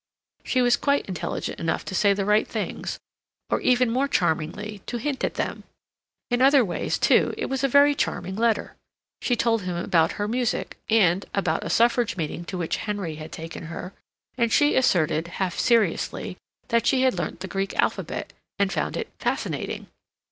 She was quite intelligent enough to say the right things, or, even more charmingly, to hint at them. In other ways, too, it was a very charming letter. She told him about her music, and about a Suffrage meeting to which Henry had taken her, and she asserted, half seriously, that she had learnt the Greek alphabet, and found it "fascinating."